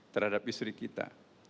terhadap istri kita